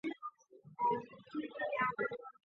目前仅餐饮管理科纳入编列。